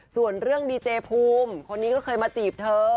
ส่วนเรื่องดีเจภูมิคนนี้ก็เคยมาจีบเธอ